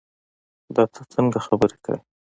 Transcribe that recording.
دا تۀ څنګه خبرې کوې